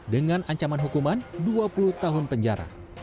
dengan ancaman hukuman dua puluh tahun penjara